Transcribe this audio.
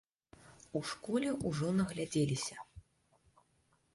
У школе ўжо наглядзеліся.